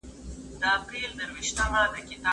چې هېڅکله به تت نه شي.